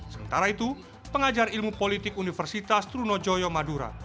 sementara itu pengajar ilmu politik universitas trunojoyo madura